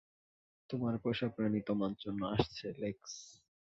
তোমার পোষাপ্রাণী তোমার জন্য আসছে, লেক্স।